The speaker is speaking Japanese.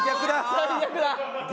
最悪だ。